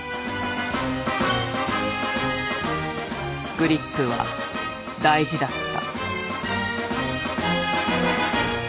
グリップは大事だった。